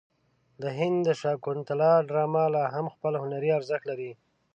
د هندي شاکونتالا ډرامه لا هم خپل هنري ارزښت لري.